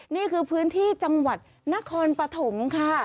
นี่คือพื้นที่จังหวัดนครปฐมค่ะ